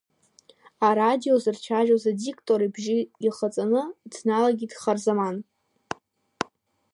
Арадио зырцәажәоз адиктор ибжьы ихаҵаны дналагеит Харзаман.